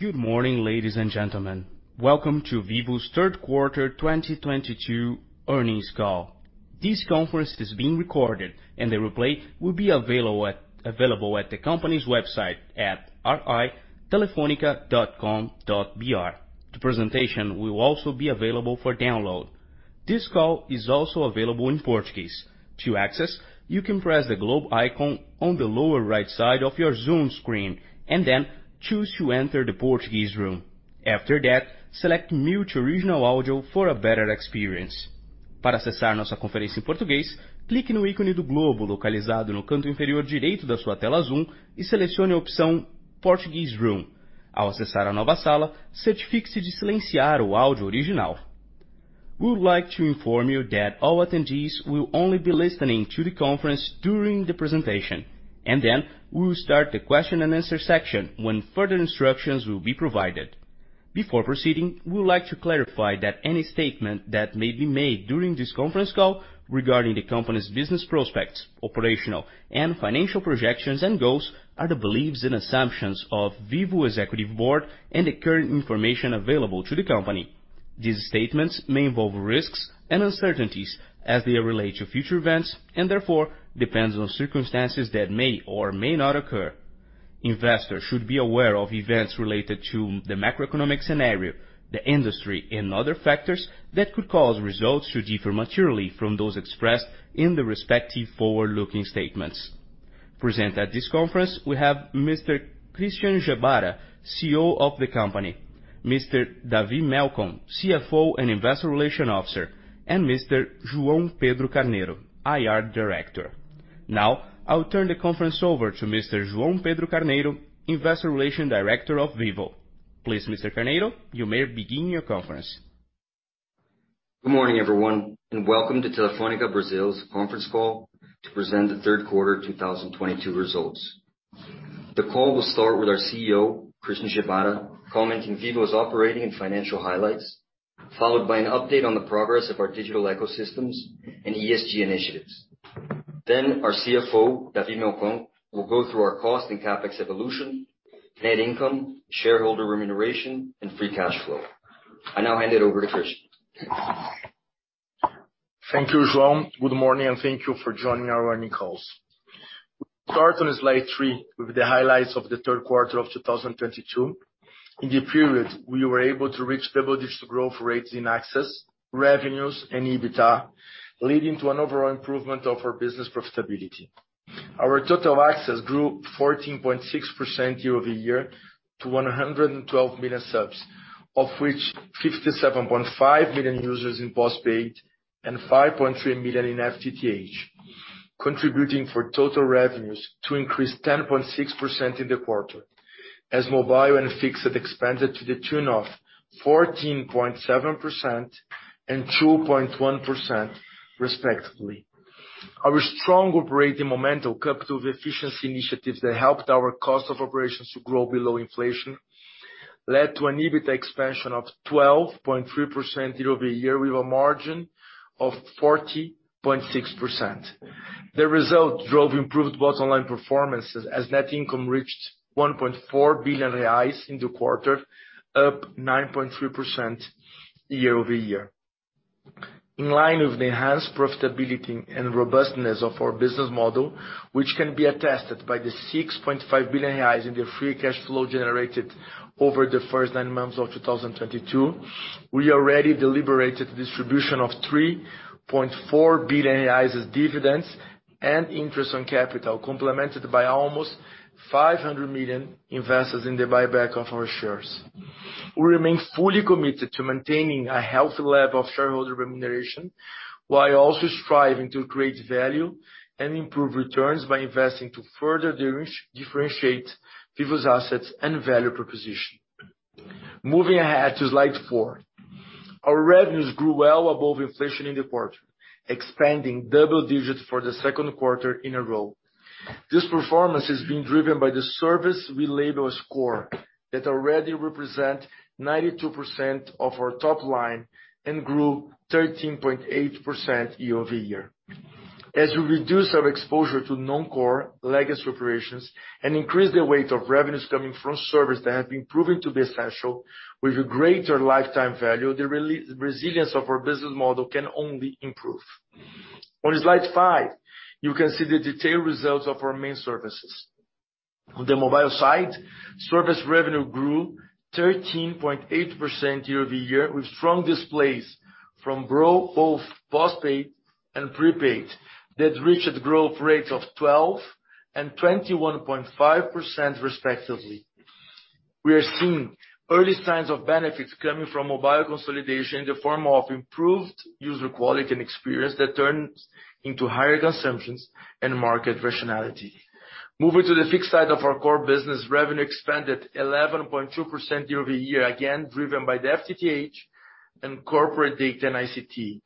Good morning, ladies and gentlemen. Welcome to Vivo's third quarter 2022 earnings call. This conference is being recorded, and the replay will be available at the company's website at ri.telefonica.com.br. The presentation will also be available for download. This call is also available in Portuguese. To access, you can press the globe icon on the lower right side of your Zoom screen and then choose to enter the Portuguese room. After that, select Mute Original Audio for a better experience. Para acessar nossa conferência em português, clique no ícone do globo localizado no canto inferior direito da sua tela Zoom e selecione a opção Portuguese Room. Ao acessar a nova sala, certifique-se de silenciar o áudio original. We would like to inform you that all attendees will only be listening to the conference during the presentation, and then we will start the question and answer section when further instructions will be provided. Before proceeding, we would like to clarify that any statement that may be made during this conference call regarding the company's business prospects, operational and financial projections and goals are the beliefs and assumptions of Vivo Executive Board and the current information available to the company. These statements may involve risks and uncertainties as they relate to future events, and therefore depends on circumstances that may or may not occur. Investors should be aware of events related to the macroeconomic scenario, the industry and other factors that could cause results to differ materially from those expressed in the respective forward-looking statements. Present at this conference, we have Mr. Christian Gebara, CEO of the company, Mr. David Melcon, CFO and Investor Relations Officer, and Mr. João Pedro Carneiro, IR Director. Now, I'll turn the conference over to Mr. João Pedro Carneiro, Investor Relations Director of Vivo. Please, Mr. Carneiro, you may begin your conference. Good morning, everyone, and welcome to Telefônica Brasil's conference call to present the third quarter 2022 results. The call will start with our CEO, Christian Gebara, commenting Vivo's operating and financial highlights, followed by an update on the progress of our digital ecosystems and ESG initiatives. Our CFO, David Melcon, will go through our cost and CapEx evolution, net income, shareholder remuneration and free cash flow. I now hand it over to Christian. Thank you, João. Good morning, and thank you for joining our earnings call. We start on slide three with the highlights of the third quarter of 2022. In the period, we were able to reach double-digit growth rates in access, revenues and EBITDA, leading to an overall improvement of our business profitability. Our total access grew 14.6% year-over-year to 112 million subs, of which 57.5 million users in postpaid and 5.3 million in FTTH, contributing to total revenues to increase 10.6% in the quarter as mobile and fixed expanded to the tune of 14.7% and 2.1% respectively. Our strong operating momentum, coupled with efficiency initiatives that helped our cost of operations to grow below inflation, led to an EBITDA expansion of 12.3% year-over-year with a margin of 40.6%. The result drove improved bottom-line performances as net income reached 1.4 billion reais in the quarter, up 9.3% year-over-year. In line with the enhanced profitability and robustness of our business model, which can be attested by the 6.5 billion reais in the free cash flow generated over the first nine months of 2022, we already deliberated distribution of 3.4 billion reais as dividends and interest on capital, complemented by almost 500 million invested in the buyback of our shares. We remain fully committed to maintaining a healthy level of shareholder remuneration while also striving to create value and improve returns by investing to further differentiate Vivo's assets and value proposition. Moving ahead to slide four. Our revenues grew well above inflation in the quarter, expanding double digits for the second quarter in a row. This performance is being driven by the service we label as core that already represent 92% of our top line and grew 13.8% year-over-year. As we reduce our exposure to non-core legacy operations and increase the weight of revenues coming from service that have been proven to be essential with a greater lifetime value, the resilience of our business model can only improve. On slide five, you can see the detailed results of our main services. On the mobile side, service revenue grew 13.8% year-over-year with strong growth from both postpaid and prepaid that reached growth rates of 12% and 21.5% respectively. We are seeing early signs of benefits coming from mobile consolidation in the form of improved user quality and experience that turns into higher consumptions and market rationality. Moving to the fixed side of our core business, revenue expanded 11.2% year-over-year, again driven by the FTTH and corporate data and ICT,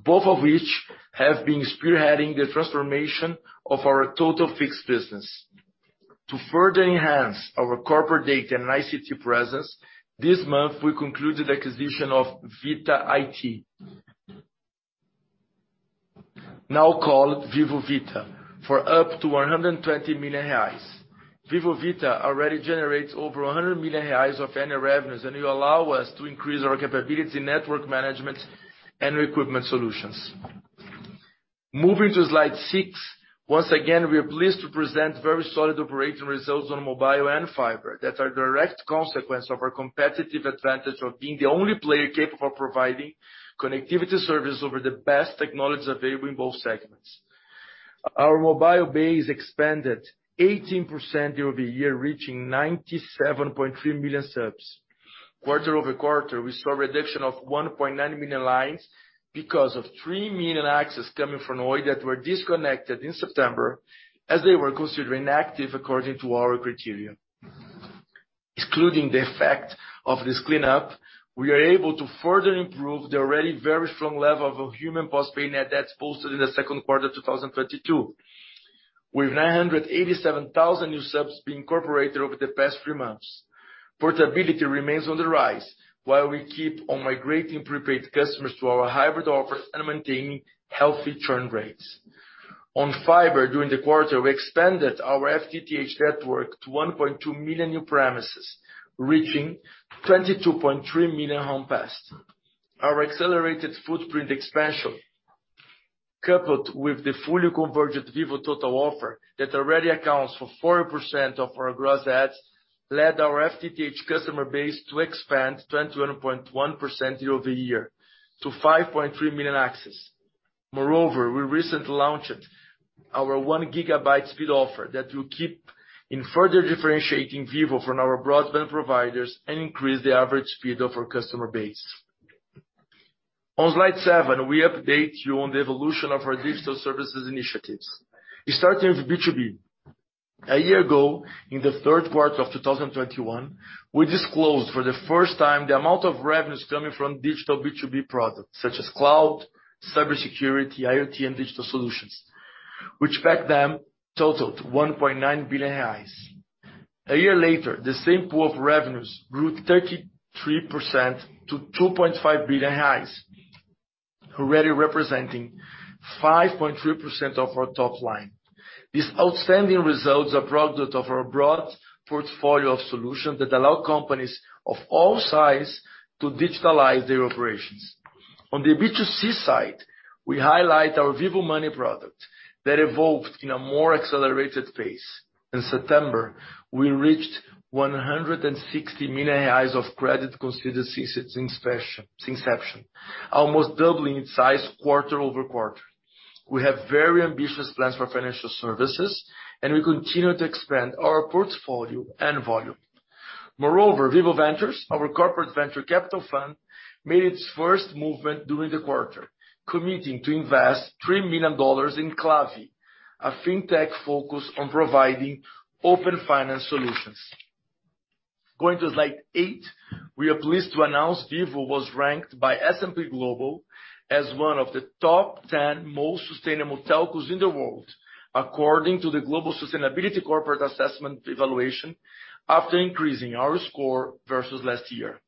both of which have been spearheading the transformation of our total fixed business. To further enhance our corporate data and ICT presence, this month we concluded acquisition of Vita IT. Now called Vivo Vita, for up to 120 million reais. Vivo Vita already generates over 100 million reais of annual revenues, and will allow us to increase our capability in network management and recruitment solutions. Moving to slide six. Once again, we are pleased to present very solid operating results on mobile and fiber that are direct consequence of our competitive advantage of being the only player capable of providing connectivity service over the best technology available in both segments. Our mobile base expanded 18% year-over-year, reaching 97.3 million subs. Quarter-over-quarter, we saw a reduction of 1.9 million lines because of 3 million accesses coming from Oi that were disconnected in September as they were considered inactive according to our criteria. Excluding the effect of this cleanup, we are able to further improve the already very strong level of mobile post-paid net adds that's posted in the second quarter 2022, with 987,000 new subs being incorporated over the past three months. Portability remains on the rise, while we keep on migrating prepaid customers to our hybrid offers and maintaining healthy churn rates. On fiber, during the quarter, we expanded our FTTH network to 1.2 million new premises, reaching 22.3 million homes passed. Our accelerated footprint expansion, coupled with the fully convergent Vivo Total offer that already accounts for 40% of our gross adds, led our FTTH customer base to expand 21.1% year-over-year to 5.3 million access. Moreover, we recently launched our one gigabyte speed offer that will continue to further differentiate Vivo from our broadband providers and increase the average speed of our customer base. On slide seven, we update you on the evolution of our digital services initiatives. We start with B2B. A year ago, in the third quarter of 2021, we disclosed for the first time the amount of revenues coming from digital B2B products such as cloud, cybersecurity, IoT, and digital solutions, which back then totaled 1.9 billion reais. A year later, the same pool of revenues grew 33% to 2.5 billion reais, already representing 5.3% of our top line. These outstanding results are the product of our broad portfolio of solutions that allow companies of all sizes to digitalize their operations. On the B2C side, we highlight our Vivo Money product that evolved in a more accelerated pace. In September, we reached 160 million reais of credit considered since inception, almost doubling its size quarter-over-quarter. We have very ambitious plans for financial services, and we continue to expand our portfolio and volume. Moreover, Vivo Ventures, our corporate venture capital fund, made its first movement during the quarter, committing to invest $3 million in Klavi, a fintech focused on providing open finance solutions. Going to slide eight. We are pleased to announce Vivo was ranked by S&P Global as one of the top 10 most sustainable telcos in the world according to the S&P Global Corporate Sustainability Assessment after increasing our score versus last year.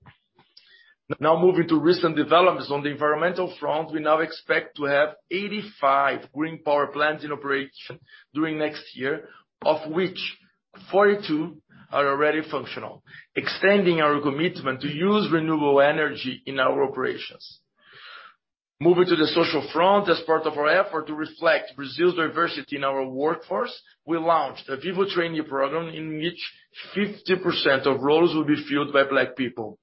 Now moving to recent developments. On the environmental front, we now expect to have 85 green power plants in operation during next year, of which 42 are already functional, extending our commitment to use renewable energy in our operations. Moving to the social front, as part of our effort to reflect Brazil's diversity in our workforce, we launched a Vivo Trainee program in which 50% of roles will be filled by Black people.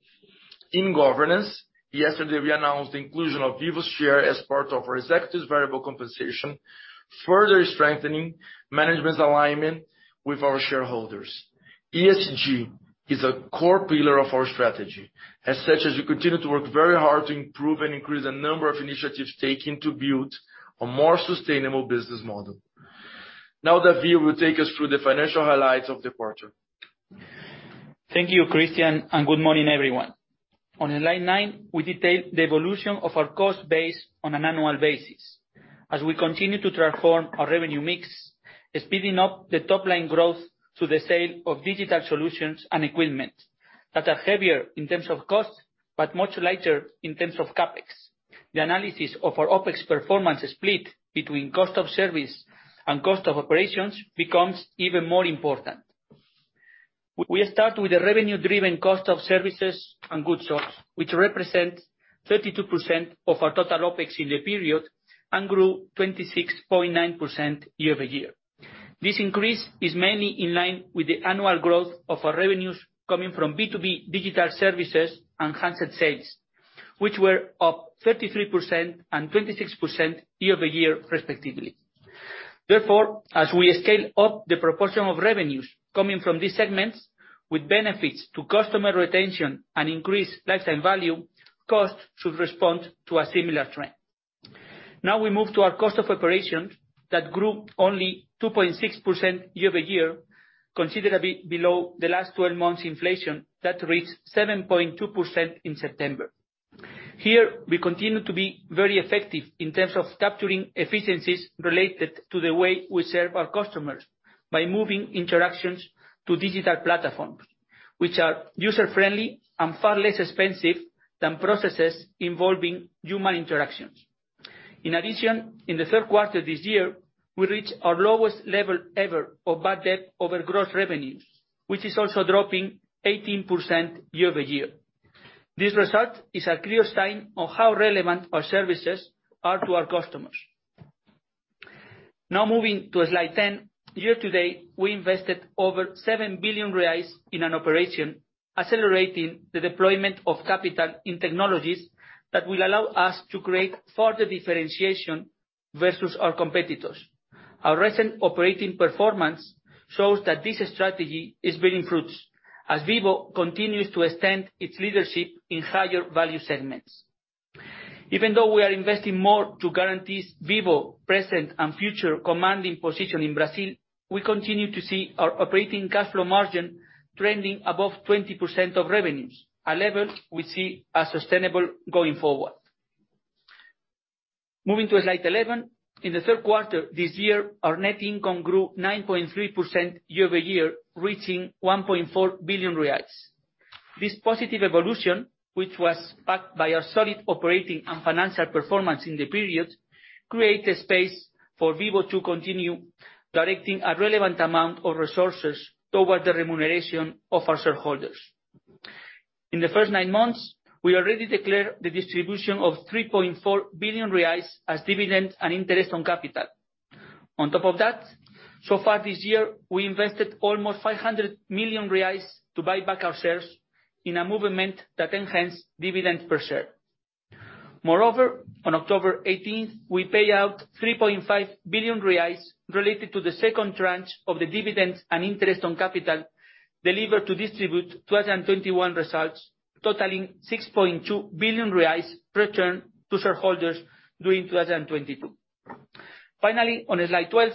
In governance, yesterday, we announced the inclusion of Vivo's share as part of our executives' variable compensation, further strengthening management's alignment with our shareholders. ESG is a core pillar of our strategy. As such, as we continue to work very hard to improve and increase the number of initiatives taken to build a more sustainable business model. Now, David will take us through the financial highlights of the quarter. Thank you, Christian, and good morning, everyone. On slide nine, we detail the evolution of our cost base on an annual basis. As we continue to transform our revenue mix, speeding up the top-line growth through the sale of digital solutions and equipment that are heavier in terms of cost, but much lighter in terms of CapEx. The analysis of our OpEx performance is split between cost of service and cost of operations, becomes even more important. We start with the revenue-driven cost of services and goods sold, which represent 32% of our total OpEx in the period and grew 26.9% year-over-year. This increase is mainly in line with the annual growth of our revenues coming from B2B digital services and handset sales, which were up 33% and 26% year-over-year respectively. Therefore, as we scale up the proportion of revenues coming from these segments with benefits to customer retention and increased lifetime value, costs should respond to a similar trend. Now we move to our cost of operations that grew only 2.6% year-over-year, considerably below the last 12 months inflation that reached 7.2% in September. Here, we continue to be very effective in terms of capturing efficiencies related to the way we serve our customers. By moving interactions to digital platforms, which are user-friendly and far less expensive than processes involving human interactions. In addition, in the third quarter this year, we reached our lowest level ever of bad debt over gross revenues, which is also dropping 18% year-over-year. This result is a clear sign of how relevant our services are to our customers. Now moving to slide 10. Year to date, we invested over 7 billion reais in an operation, accelerating the deployment of capital in technologies that will allow us to create further differentiation versus our competitors. Our recent operating performance shows that this strategy is bearing fruits as Vivo continues to extend its leadership in higher value segments. Even though we are investing more to guarantee Vivo's present and future commanding position in Brazil, we continue to see our operating cash flow margin trending above 20% of revenues, a level we see as sustainable going forward. Moving to slide 11. In the third quarter this year, our net income grew 9.3% year-over-year, reaching 1.4 billion reais. This positive evolution, which was backed by a solid operating and financial performance in the period, created space for Vivo to continue directing a relevant amount of resources towards the remuneration of our shareholders. In the first nine months, we already declared the distribution of 3.4 billion reais as dividends and interest on capital. On top of that, so far this year, we invested almost 500 million reais to buy back our shares in a movement that enhanced dividends per share. Moreover, on October eighteenth, we paid out 3.5 billion reais related to the second tranche of the dividends and interest on capital delivered to distribute 2021 results totaling 6.2 billion reais returned to shareholders during 2022. Finally, on slide 12,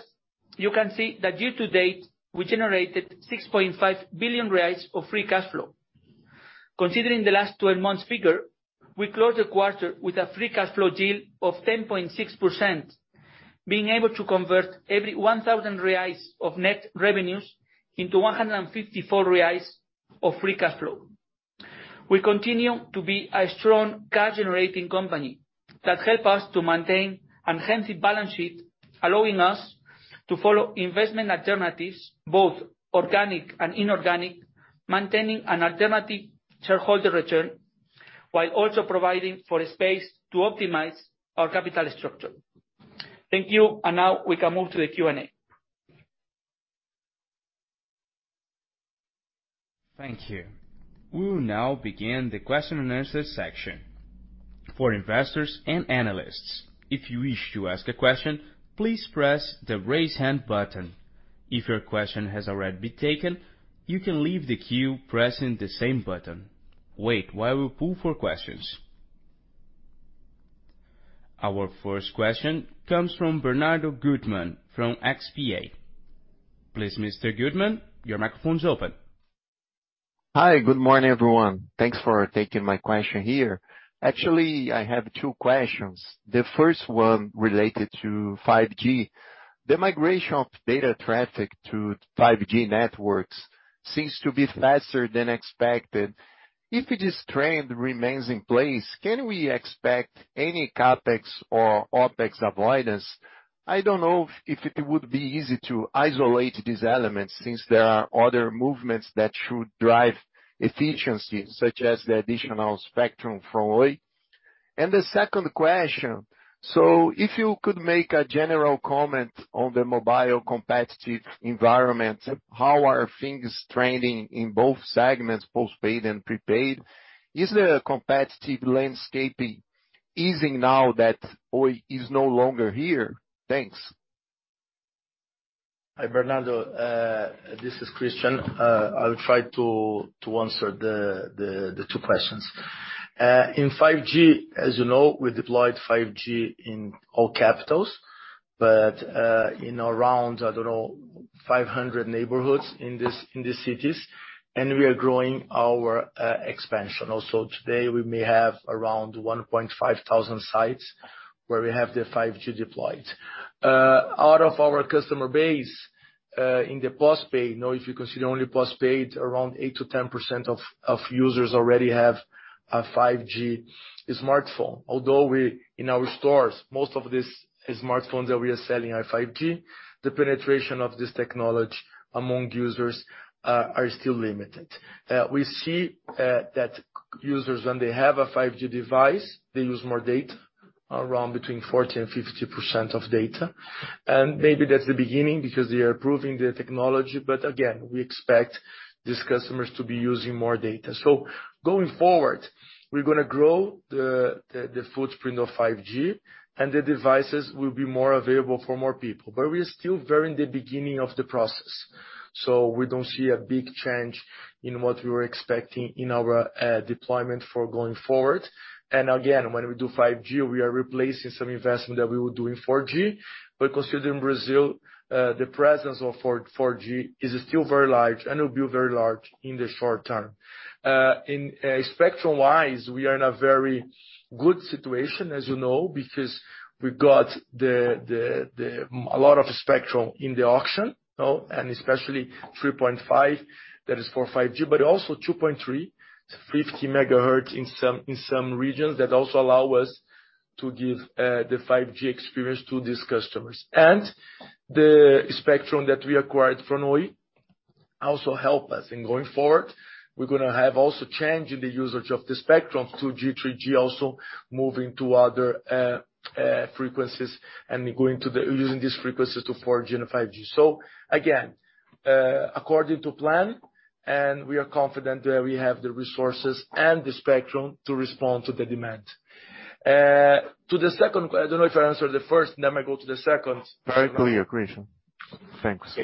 you can see that year to date, we generated 6.5 billion reais of free cash flow. Considering the last 12 months figure, we closed the quarter with a free cash flow yield of 10.6%, being able to convert every 1,000 reais of net revenues into 154 reais of free cash flow. We continue to be a strong cash-generating company that help us to maintain enhanced balance sheet, allowing us to follow investment alternatives, both organic and inorganic, maintaining an alternative shareholder return, while also providing for a space to optimize our capital structure. Thank you, and now we can move to the Q&A. Thank you. We will now begin the question and answer section for investors and analysts. If you wish to ask a question, please press the Raise Hand button. If your question has already been taken, you can leave the queue pressing the same button. Wait while we poll for questions. Our first question comes from Bernardo Guttmann from XP Inc. Please, Mr. Guttmann, your microphone is open. Hi, good morning, everyone. Thanks for taking my question here. Actually, I have two questions. The first one related to 5G. The migration of data traffic to 5G networks seems to be faster than expected. If this trend remains in place, can we expect any CapEx or OpEx avoidance? I don't know if it would be easy to isolate these elements since there are other movements that should drive efficiency, such as the additional spectrum from Oi. The second question, so if you could make a general comment on the mobile competitive environment, how are things trending in both segments, post-paid and prepaid? Is the competitive landscaping easing now that Oi is no longer here? Thanks. Hi, Bernardo, this is Christian. I'll try to answer the two questions. In 5G, as you know, we deployed 5G in all capitals, but in around, I don't know, 500 neighborhoods in these cities, and we are growing our expansion. Also, today, we may have around 1,500 sites where we have the 5G deployed. Out of our customer base, in the post-paid, you know, if you consider only post-paid, around 8%-10% of users already have a 5G smartphone. Although we, in our stores, most of these smartphones that we are selling are 5G, the penetration of this technology among users are still limited. We see that users, when they have a 5G device, they use more data, around between 40% and 50% of data. Maybe that's the beginning because they are approving the technology. Again, we expect these customers to be using more data. Going forward, we're gonna grow the footprint of 5G and the devices will be more available for more people. We are still very in the beginning of the process. We don't see a big change in what we were expecting in our deployment for going forward. Again, when we do 5G, we are replacing some investment that we were doing 4G. Considering Brazil, the presence of 4G is still very large, and it will be very large in the short term. Spectrum-wise, we are in a very good situation, as you know, because we got a lot of spectrum in the auction, you know, and especially 3.5, that is for 5G, but also 2.3, 50 MHz in some regions that also allow us to give the 5G experience to these customers. The spectrum that we acquired from Oi also help us. Going forward, we're gonna have a change in the usage of the spectrum to 5G, 3G also moving to other frequencies and using these frequencies to 4G and 5G. Again, according to plan, and we are confident that we have the resources and the spectrum to respond to the demand. I don't know if I answered the first, then I go to the second. Very clear, Christian. Thanks.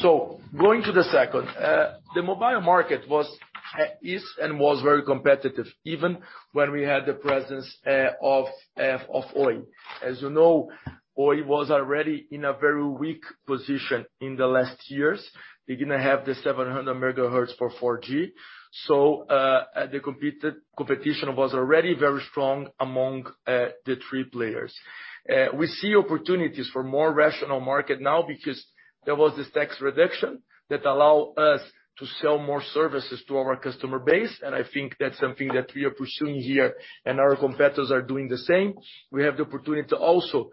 Going to the second. The mobile market was, is and was very competitive, even when we had the presence of Oi. As you know, Oi was already in a very weak position in the last years. They didn't have the 700 MHz for 4G, so the competition was already very strong among the three players. We see opportunities for more rational market now because there was this tax reduction that allow us to sell more services to our customer base, and I think that's something that we are pursuing here, and our competitors are doing the same. We have the opportunity to also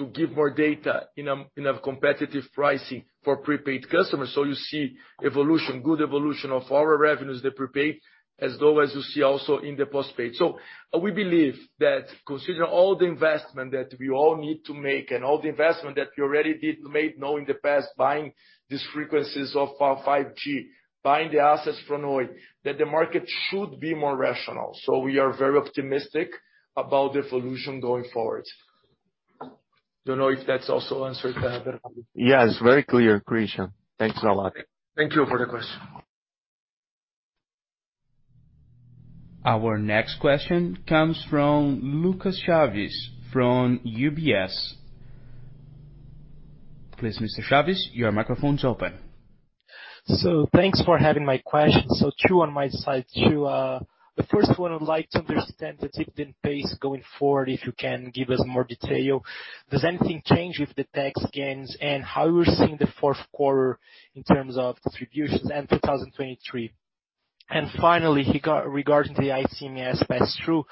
to give more data in a competitive pricing for prepaid customers. You see evolution, good evolution of our revenues, the prepaid, as well as you see also in the postpaid. We believe that considering all the investment that we all need to make and all the investment that we already did make now in the past, buying these frequencies of 5G, buying the assets from Oi, that the market should be more rational. We are very optimistic about the evolution going forward. Don't know if that's also answered? Yes, very clear, Christian. Thanks a lot. Thank you for the question. Our next question comes from Lucas Chaves from UBS. Please, Mr. Chaves, your microphone is open. Thanks for taking my question. Two on my side, too. The first one, I'd like to understand the dividend pace going forward, if you can give us more detail. Does anything change with the tax gains, and how you're seeing the fourth quarter in terms of distributions and 2023? Finally, regarding the ICMS pass-through,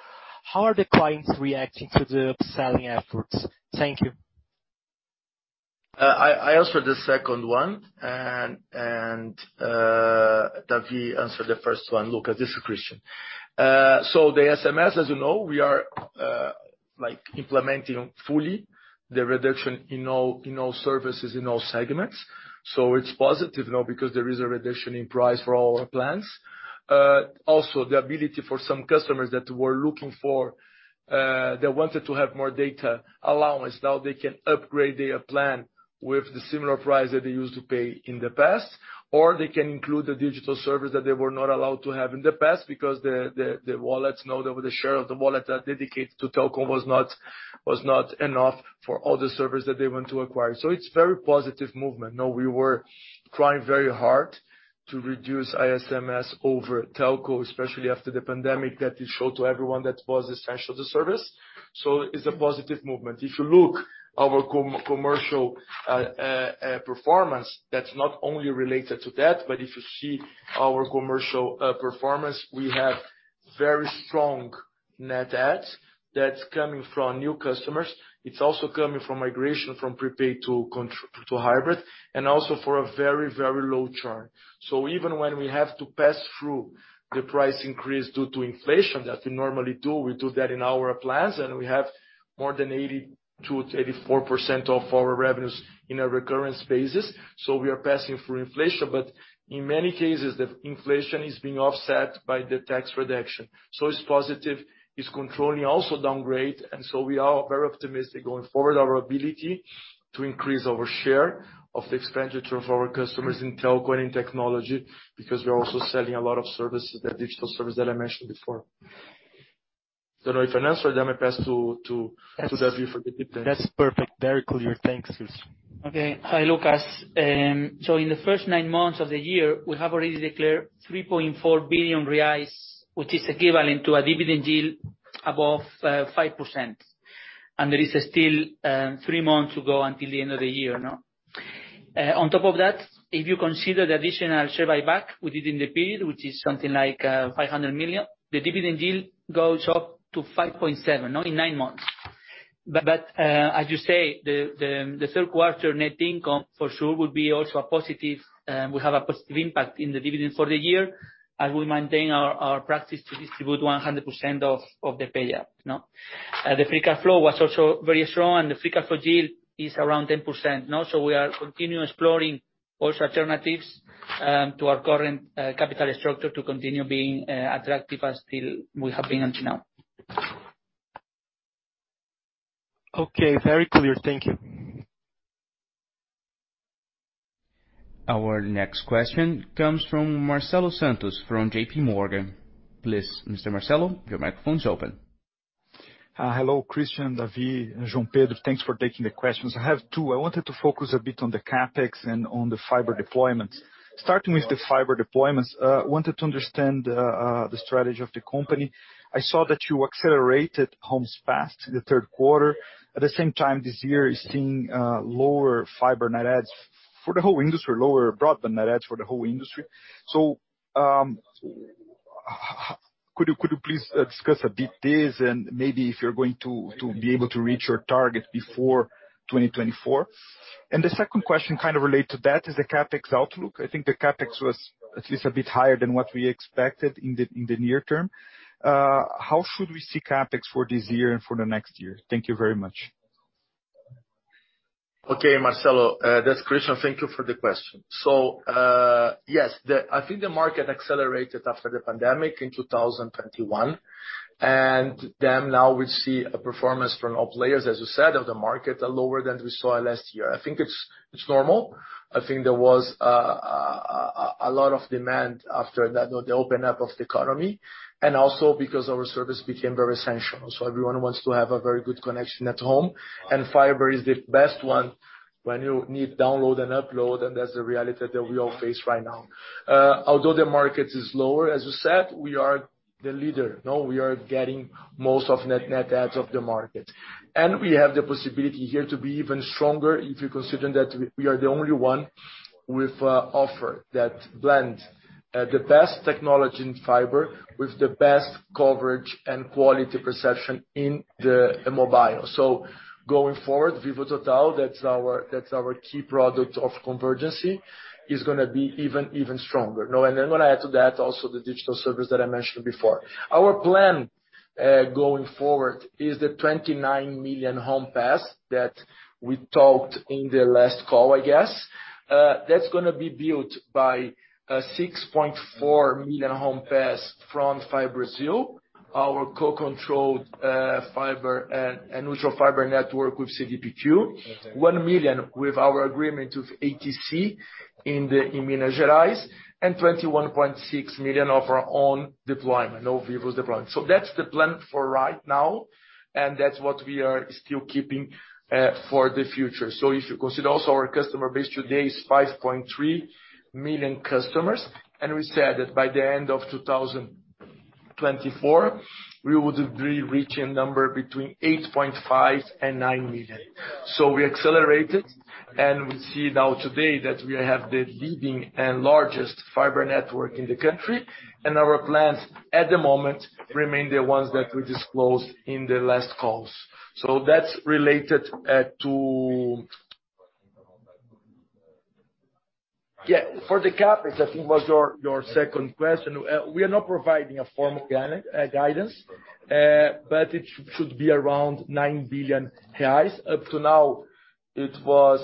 how are the clients reacting to the upselling efforts? Thank you. I answer the second one and David answer the first one, Lucas, this is Christian. The ICMS, as you know, we are like implementing fully the reduction in all services, in all segments. It's positive, you know, because there is a reduction in price for all our plans. Also the ability for some customers that were looking for, they wanted to have more data allowance. Now they can upgrade their plan with the similar price that they used to pay in the past, or they can include the digital service that they were not allowed to have in the past because the wallets, you know, the share of the wallet that dedicated to telco was not enough for all the service that they want to acquire. It's very positive movement. Now, we were trying very hard to reduce ICMS over telco, especially after the pandemic, that it showed to everyone that was essential to service. It's a positive movement. If you look our commercial performance, that's not only related to that, but if you see our commercial performance, we have very strong net adds that's coming from new customers. It's also coming from migration from prepaid to hybrid and also for a very low churn. Even when we have to pass through the price increase due to inflation, that we normally do, we do that in our plans, and we have more than 82%-84% of our revenues in a recurrence basis. We are passing through inflation, but in many cases, the inflation is being offset by the tax reduction. It's positive. It's controlling also downgrade. We are very optimistic going forward, our ability to increase our share of the expenditure of our customers in telco and in technology, because we are also selling a lot of services, the digital service that I mentioned before. Don't know if I answered. I pass to David Melcon for the dividend. That's perfect. Very clear. Thanks. Okay. Hi, Lucas. In the first nine months of the year, we have already declared 3.4 billion reais, which is equivalent to a dividend yield above 5%. There is still three months to go until the end of the year, you know. On top of that, if you consider the additional share buyback within the period, which is something like 500 million, the dividend yield goes up to 5.7%, you know, in nine months. As you say, the third quarter net income for sure will have a positive impact in the dividend for the year, as we maintain our practice to distribute 100% of the payout, you know. The free cash flow was also very strong, and the free cash flow yield is around 10%, you know, so we are continue exploring also alternatives to our current capital structure to continue being attractive as still we have been until now. Okay, very clear. Thank you. Our next question comes from Marcelo Santos from JPMorgan. Please, Mr. Marcelo, your microphone is open. Hello, Christian, David, and João Pedro, thanks for taking the questions. I have two. I wanted to focus a bit on the CapEx and on the fiber deployment. Starting with the fiber deployments, wanted to understand the strategy of the company. I saw that you accelerated homes passed in the third quarter. At the same time this year is seeing lower fiber net adds for the whole industry, lower broadband net adds for the whole industry. Could you please discuss a bit this and maybe if you're going to be able to reach your target before 2024? The second question kind of relate to that is the CapEx outlook. I think the CapEx was at least a bit higher than what we expected in the near term. How should we see CapEx for this year and for the next year? Thank you very much. Okay, Marcelo, that's Christian. Thank you for the question. Yes, I think the market accelerated after the pandemic in 2021, and then now we see a performance from all players, as you said, of the market are lower than we saw last year. I think it's normal. I think there was a lot of demand after that, the open up of the economy, and also because our service became very essential. Everyone wants to have a very good connection at home, and fiber is the best one when you need download and upload, and that's the reality that we all face right now. Although the market is lower, as you said, we are the leader. Now, we are getting most of net adds of the market. We have the possibility here to be even stronger if you consider that we are the only one with an offer that blends the best technology in fiber with the best coverage and quality perception in the mobile. Vivo Total, that's our key product of convergence, is gonna be even stronger. When I add to that also the digital service that I mentioned before. Our plan going forward is the 29 million home passed that we talked about in the last call, I guess. That's gonna be built by 6.4 million home passed from FiBrasil, our co-controlled fiber and neutral fiber network with CDPQ, 1 million with our agreement with ATC in Minas Gerais, and 21.6 million of our own deployment, of Vivo's deployment. That's the plan for right now, and that's what we are still keeping for the future. If you consider also our customer base today is 5.3 million customers, and we said that by the end of 2024, we would be reaching a number between 8.5 million and 9 million. We accelerated, and we see now today that we have the leading and largest fiber network in the country. Our plans at the moment remain the ones that we disclosed in the last calls. That's related to the CapEx. Yeah, for the CapEx, I think was your second question. We are not providing a formal guidance, but it should be around 9 billion reais. Up to now, it was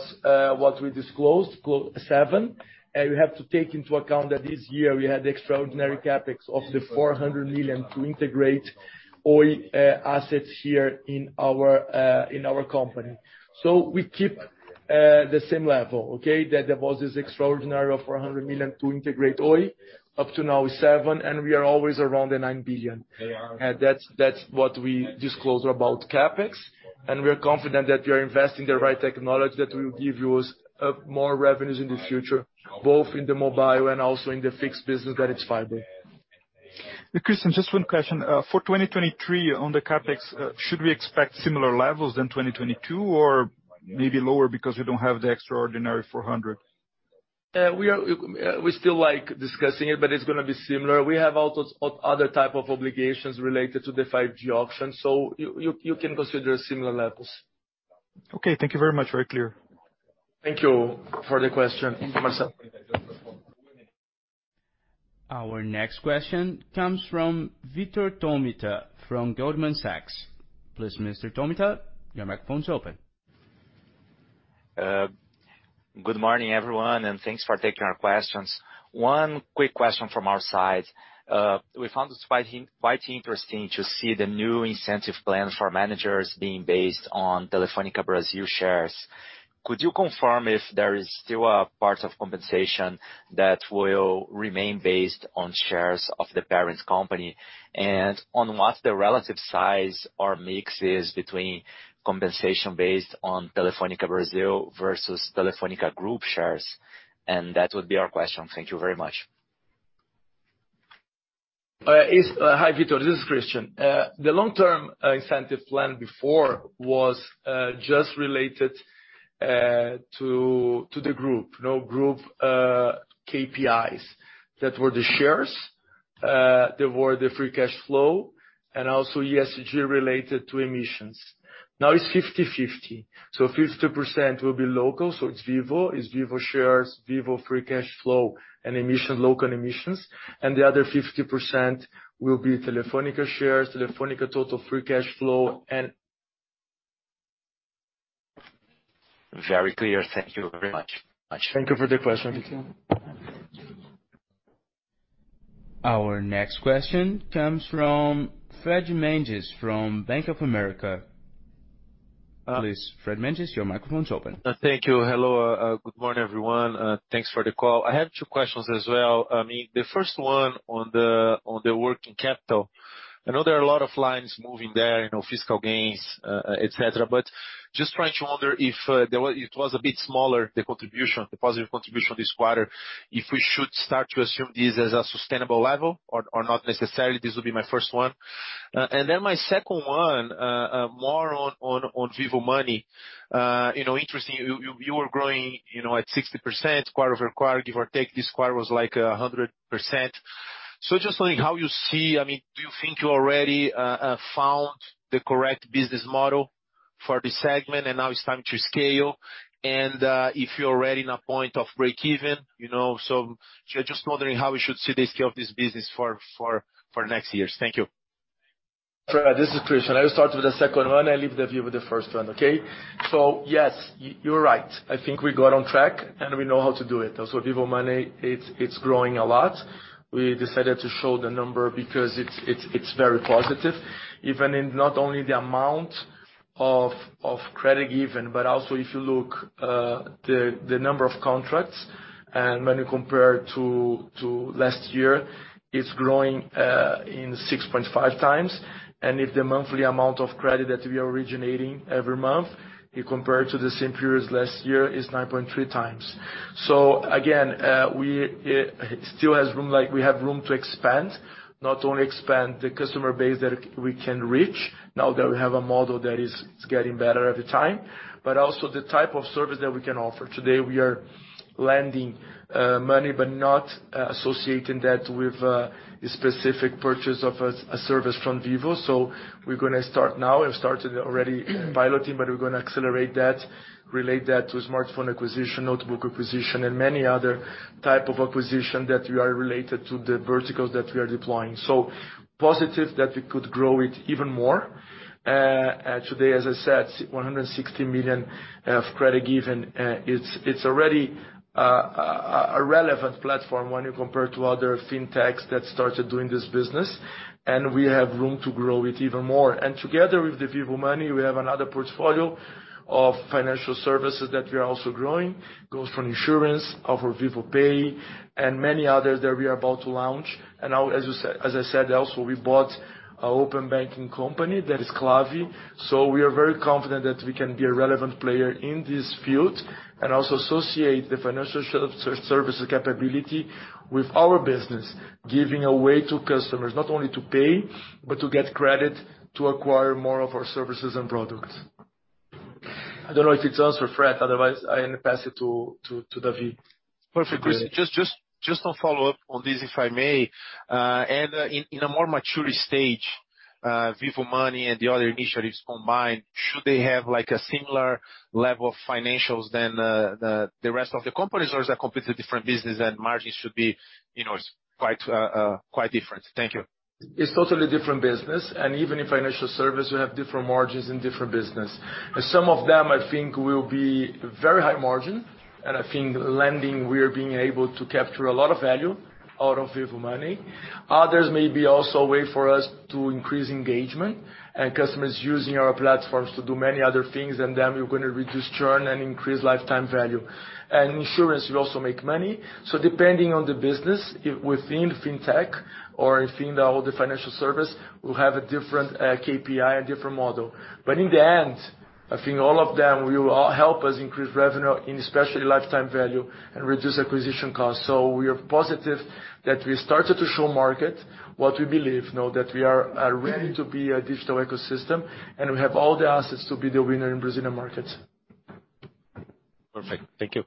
what we disclosed, 7 billion. You have to take into account that this year we had extraordinary CapEx of 400 million to integrate all assets here in our company. We keep the same level, okay? That there was this extraordinary of 400 million to integrate Oi. Up to now it's 7 billion, and we are always around the 9 billion. That's what we disclosed about CapEx. We are confident that we are investing the right technology that will give us more revenues in the future, both in the mobile and also in the fixed business that is fiber. Christian, just one question. For 2023 on the CapEx, should we expect similar levels than 2022 or maybe lower because you don't have the extraordinary 400? We are still likely discussing it, but it's gonna be similar. We have also other type of obligations related to the 5G auction, you can consider similar levels. Okay, thank you very much. Very clear. Thank you for the question, Marcelo. Our next question comes from Vitor Tomita from Goldman Sachs. Please, Mr. Tomita, your microphone is open. Good morning, everyone, and thanks for taking our questions. One quick question from our side. We found it quite interesting to see the new incentive plan for managers being based on Telefônica Brasil shares. Could you confirm if there is still a part of compensation that will remain based on shares of the parent company? And on what the relative size or mix is between compensation based on Telefônica Brasil versus Telefónica Group shares? And that would be our question. Thank you very much. Hi, Vitor, this is Christian. The long-term incentive plan before was just related to the group. No group KPIs. That were the shares, there were the free cash flow, and also ESG related to emissions. Now it's 50/50. 50% will be local, so it's Vivo, it's Vivo shares, Vivo free cash flow and emission, local emissions. The other 50% will be Telefónica shares, Telefónica total free cash flow and. Very clear. Thank you very much. Thank you for the question. Our next question comes from Fred Mendes from Bank of America. Please, Fred Mendes, your microphone's open. Thank you. Hello. Good morning, everyone. Thanks for the call. I have two questions as well. I mean, the first one on the working capital. I know there are a lot of lines moving there, you know, fiscal gains, et cetera, but just trying to wonder if it was a bit smaller, the contribution, the positive contribution this quarter, if we should start to assume this as a sustainable level or not necessarily? This will be my first one. My second one, more on Vivo Money. You know, interesting, you were growing, you know, at 60% quarter-over-quarter, give or take. This quarter was, like, 100%. So just wondering how you see? I mean, do you think you already found the correct business model for this segment and now it's time to scale? If you're already in a point of break even, you know. Just wondering how we should see the scale of this business for next years? Thank you. Fred, this is Christian. I will start with the second one and leave David with the first one, okay? Yes, you're right. I think we got on track, and we know how to do it. Also, Vivo Money, it's growing a lot. We decided to show the number because it's very positive, even in not only the amount of credit given, but also if you look, the number of contracts, and when you compare to last year, it's growing in 6.5 times. And if the monthly amount of credit that we are originating every month, you compare to the same period last year, is 9.3 times. We still have room to expand, like, not only the customer base that we can reach now that we have a model that is getting better every time, but also the type of service that we can offer. Today, we are lending money but not associating that with a specific purchase of a service from Vivo. We're gonna start now. We've started already piloting, but we're gonna accelerate that, relate that to smartphone acquisition, notebook acquisition, and many other type of acquisition that we are related to the verticals that we are deploying. Positive that we could grow it even more. Today, as I said, 160 million of credit given. It's already a relevant platform when you compare to other fintechs that started doing this business, and we have room to grow it even more. Together with the Vivo Money, we have another portfolio of financial services that we are also growing. It goes from insurance over Vivo Pay and many others that we are about to launch. Now, as I said, also, we bought an open banking company that is Klavi. We are very confident that we can be a relevant player in this field and also associate the financial service capability with our business, giving a way to customers not only to pay, but to get credit to acquire more of our services and products. I don't know if it's answered, Fred. Otherwise, I pass it to David. Perfect, Christian. Just to follow up on this, if I may. In a more mature stage, Vivo Money and the other initiatives combined, should they have, like, a similar level of financials to the rest of the companies or is a completely different business and margins should be, you know, quite different? Thank you. It's totally different business. Even in financial service, we have different margins in different business. Some of them I think will be very high margin, and I think lending, we are being able to capture a lot of value out of Vivo Money. Others may be also a way for us to increase engagement and customers using our platforms to do many other things, and then we're gonna reduce churn and increase lifetime value. Insurance will also make money. Depending on the business, if within fintech or within all the financial service, we'll have a different KPI and different model. In the end, I think all of them will help us increase revenue in especially lifetime value and reduce acquisition costs. We are positive that we started to show market what we believe, no? That we are ready to be a digital ecosystem, and we have all the assets to be the winner in Brazilian markets. Perfect. Thank you.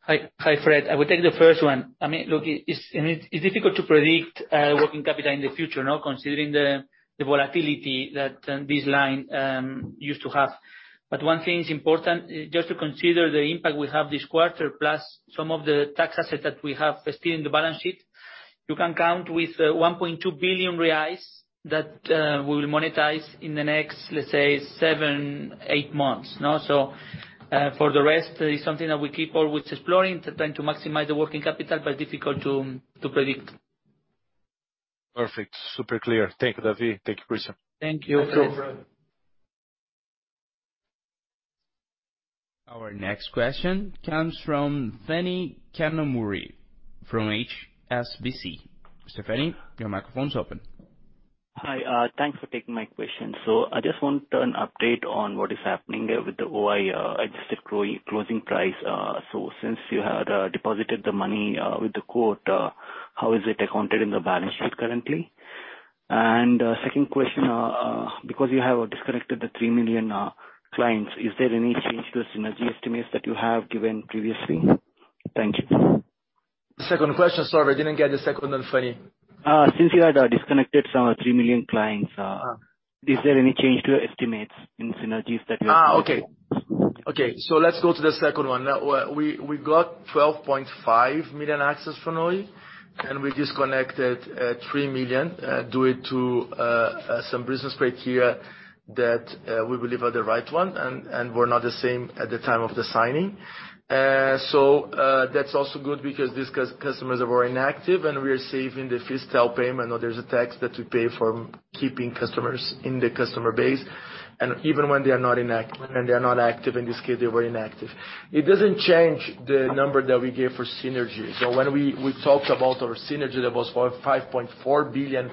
Hi. Hi, Fred. I will take the first one. I mean, look, it's difficult to predict working capital in the future, no, considering the volatility that this line used to have. One thing is important, just to consider the impact we have this quarter plus some of the tax assets that we have still in the balance sheet. You can count with 1.2 billion reais that we will monetize in the next, let's say, 7-8 months, no? For the rest, it's something that we keep always exploring to try to maximize the working capital, but difficult to predict. Perfect. Super clear. Thank you, David. Thank you, Christian. Thank you. Thanks, Fred. Our next question comes from Phani Kanumuri from HSBC. Phani, your microphone's open. Hi. Thanks for taking my question. I just want an update on what is happening with the Oi adjusted closing price? Since you had deposited the money with the court, how is it accounted in the balance sheet currently? Second question, because you have disconnected the 3 million clients, is there any change to the synergy estimates that you have given previously? Thank you. Second question. Sorry, I didn't get the second one, Phani. Since you had disconnected some 3 million clients, is there any change to your estimates in synergies that you have given? Let's go to the second one. Now, we got 12.5 million access for Oi, and we disconnected 3 million due to some business criteria that we believe are the right one and were not the same at the time of the signing. That's also good because these customers are very inactive and we are saving the fixed tail payment. I know there's a tax that we pay for keeping customers in the customer base, and even when they are not inactive and they are not active, in this case, they were inactive. It doesn't change the number that we gave for synergy. When we talked about our synergy that was 5.4 billion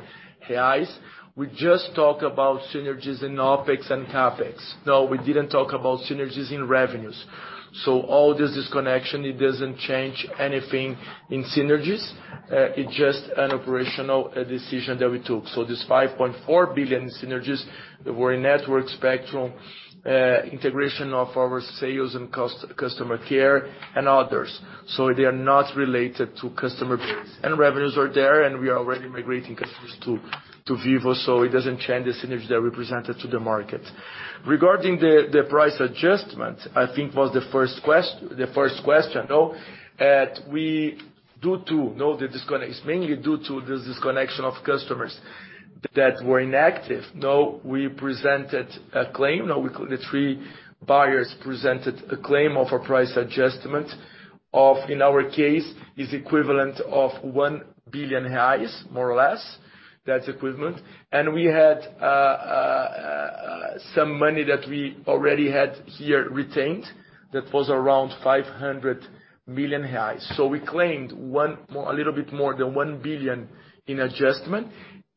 reais, we just talk about synergies in OpEx and CapEx. No, we didn't talk about synergies in revenues. All this disconnection doesn't change anything in synergies. It's just an operational decision that we took. This 5.4 billion synergies that were in network spectrum integration of our sales and customer care and others. They are not related to customer base. Revenues are there, and we are already migrating customers to Vivo, so it doesn't change the synergy that we presented to the market. Regarding the price adjustment, I think was the first question, no? The disconnect, it's mainly due to the disconnection of customers that were inactive. We presented a claim. The three buyers presented a claim of a price adjustment of, in our case, is equivalent of 1 billion reais, more or less, that's equivalent. We had some money that we already had here retained that was around 500 million reais. We claimed a little bit more than 1 billion in adjustment,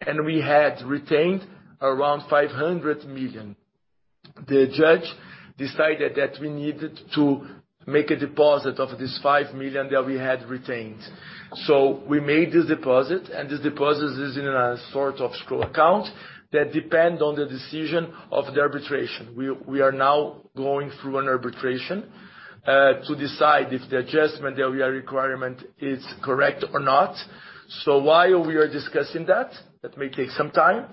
and we had retained around 500 million. The judge decided that we needed to make a deposit of this 500 million that we had retained. We made this deposit, and this deposit is in a sort of escrow account that depends on the decision of the arbitration. We are now going through an arbitration to decide if the adjustment that we are requiring is correct or not. While we are discussing that may take some time,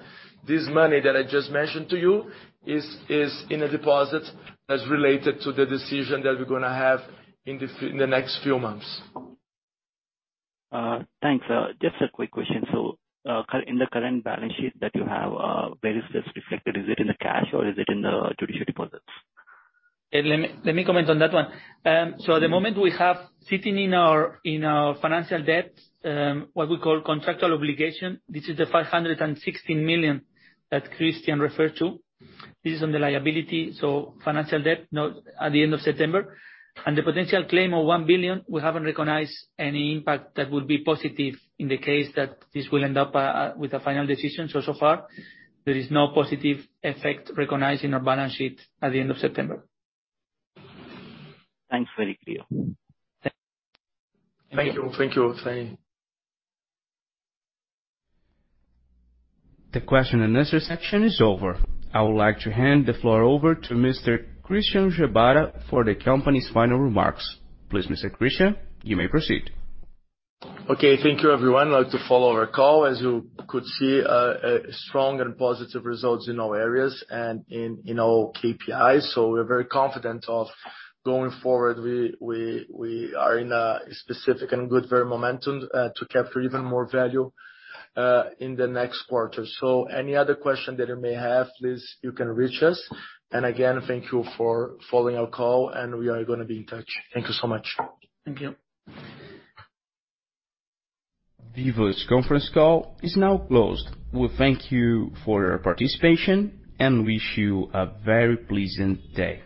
this money that I just mentioned to you is in a deposit that's related to the decision that we're gonna have in the next few months. Thanks. Just a quick question. In the current balance sheet that you have, where is this reflected? Is it in the cash or is it in the judicial deposits? Let me comment on that one. So at the moment we have sitting in our financial debt what we call contractual obligation. This is the 516 million that Christian Gebara referred to. This is on the liability, so financial debt, no, at the end of September. The potential claim of 1 billion, we haven't recognized any impact that would be positive in the case that this will end up with a final decision. So far there is no positive effect recognized in our balance sheet at the end of September. Thanks. Very clear. Thank you. The question and answer section is over. I would like to hand the floor over to Mr. Christian Gebara for the company's final remarks. Please, Mr. Christian, you may proceed. Okay. Thank you, everyone. I'd like to follow our call. As you could see, strong and positive results in all areas and in all KPIs. We're very confident of going forward. We are in a specific and good very momentum to capture even more value in the next quarter. Any other question that you may have, please, you can reach us. Again, thank you for following our call, and we are gonna be in touch. Thank you so much. Thank you. Vivo's conference call is now closed. We thank you for your participation and wish you a very pleasant day.